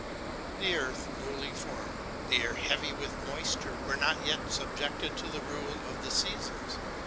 The earth, newly formed, the air heavy with moisture, were not yet subjected to the rule of the seasons.